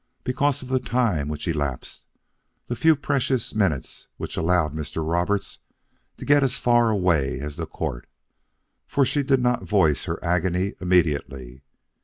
Because of the time which elapsed, the few precious minutes which allowed Mr. Roberts to get as far away as the court. For she did not voice her agony immediately.